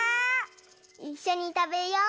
いっしょにたべよう！